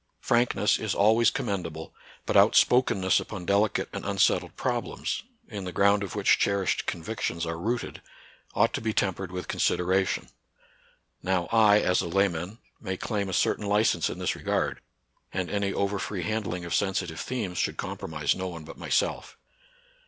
Frankness is always commendable ; but outspokenness upon delicate and unsettled problems, in the ground of which cherished convictions are rooted, ought to be NATURAL SCIENCE AND RELIGION. 5 tempered with consideration. Now I, as a lay man, may claim a certain license in this regard ; and any over free handling of sensitive themes should compromise no one but myself.